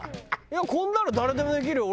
いやこんなの誰でもできるよ